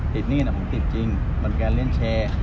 ติดเงินผมติดจริงบางการเล่นแชร์